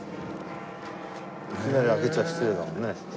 いきなり開けちゃ失礼だもんね。